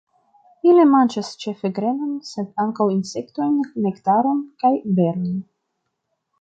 Ili manĝas ĉefe grenon sed ankaŭ insektojn, nektaron kaj berojn.